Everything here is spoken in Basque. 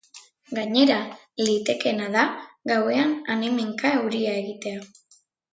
Gainera, litekeena da gauean han-hemenka euria egitea.